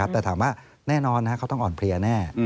แต่ถามว่าแน่นอนเขาต้องอ่อนเพลียแน่